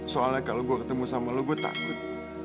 soalnya kalau gue ketemu sama lo gue takut